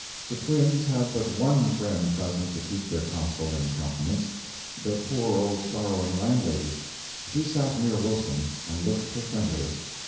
The twins had but one friend present to keep their counsel in countenance, their poor old sorrowing landlady. She sat near Wilson, and looked her friendliest.